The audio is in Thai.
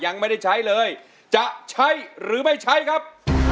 ยังไม่ได้ใช้เลยจะใช้หรือไม่ใช้ครับ